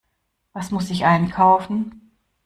Was muss ich einkaufen?